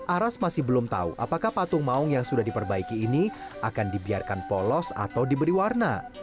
aras masih belum tahu apakah patung maung yang sudah diperbaiki ini akan dibiarkan polos atau diberi warna